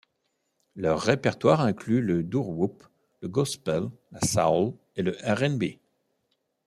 Leur répertoire inclut le doo-wop, le gospel, la soul et le R&B.